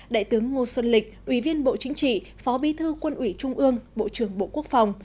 đại tướng ngô xuân lịch ủy viên bộ chính trị phó bí thư quân ủy trung ương bộ trưởng bộ quốc phòng